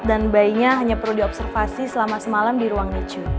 bayinya hanya perlu diobservasi selama semalam di ruang licu